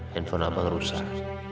penghubung abang rusak